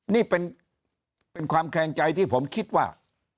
นี่เป็นความแคลงใจที่ผมคิดว่า